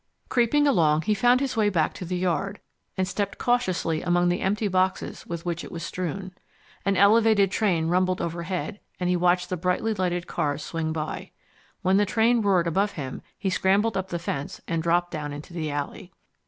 Creeping along he found his way back to the yard, and stepped cautiously among the empty boxes with which it was strewn. An elevated train rumbled overhead, and he watched the brightly lighted cars swing by. While the train roared above him, he scrambled up the fence and dropped down into the alley.